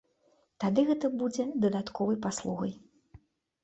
Тады гэта будзе дадатковай паслугай.